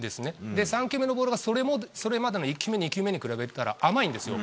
で、３球目のボールは、それまでの１球目、２球目に比べたら、甘いんですよ。